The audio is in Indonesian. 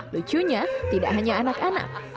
lucunya tidak hanya anak anak